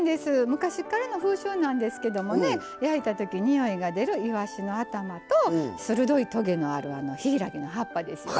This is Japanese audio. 昔っからの風習なんですけどもね焼いたときにおいが出るいわしの頭と鋭いとげのあるヒイラギの葉っぱですよね。